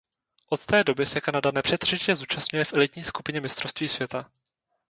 Od té doby se Kanada nepřetržitě zúčastňuje v elitní skupině mistrovství světa.